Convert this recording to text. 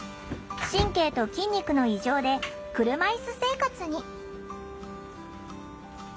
神経と筋肉の異常で車いす生活に。